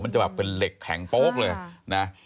จะแบบเป็นเหล็กแข็งโป๊กเลยนะ